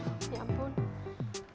aduh ya ampun